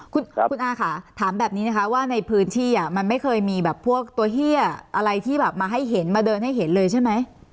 คุณอาค่ะถามแบบนี้นะคะว่าในพื้นที่มันไม่เคยมีแบบพวกตัวเฮียอะไรที่แบบมาให้เห็นมาเดินให้เห็นเลยใช่ไหม